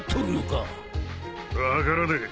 分からねえ。